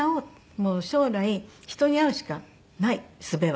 もう将来人に会うしかないすべは。